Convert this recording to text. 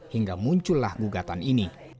hingga muncullah gugatan ini